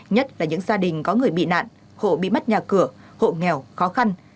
nhất là những gia đình có người bị nạn hộ bị mất nhà cửa hộ nghèo khó khăn